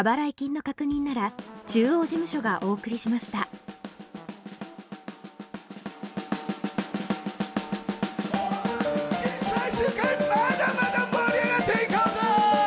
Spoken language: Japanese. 『スッキリ』最終回、まだまだ盛り上がって行こうぜ！